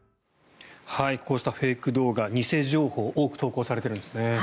こうしたフェイク動画、偽情報多く投稿されているんですね。